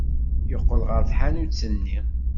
Yeqqel ɣer tḥanut-nni.